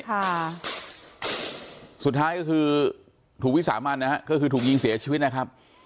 ค่ะสุดท้ายก็คือถูกวิสามันนะฮะก็คือถูกยิงเสียชีวิตนะครับ